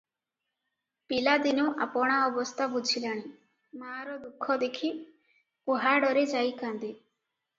ପିଲାଦିନୁ ଆପଣା ଅବସ୍ଥା ବୁଝିଲାଣି! ମାଆର ଦୁଃଖ ଦେଖି ଉହାଡ଼ରେ ଯାଇ କାନ୍ଦେ ।